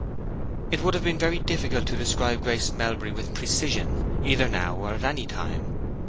It would have been very difficult to describe Grace Melbury with precision, either now or at any time.